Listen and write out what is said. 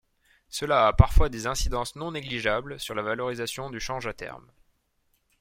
Cela a parfois des incidences non négligeables sur la valorisation du change à terme.